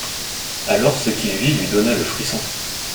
Alors ce qu'il vit lui donna le frisson.